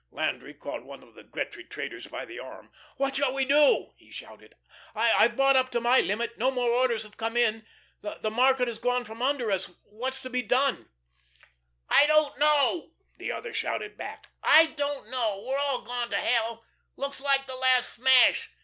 Landry caught one of the Gretry traders by the arm. "What shall we do?" he shouted. "I've bought up to my limit. No more orders have come in. The market has gone from under us. What's to be done?" "I don't know," the other shouted back, "I don't know. We're all gone to hell; looks like the last smash.